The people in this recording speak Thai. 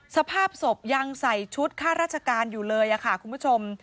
สภาพศพยังใส่ชุดค่าราชการอยู่เลยค่ะคุณผู้ชม